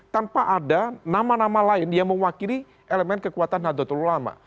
tanpa ada nama nama lain yang mewakili elemen kekuatan nadatul ulama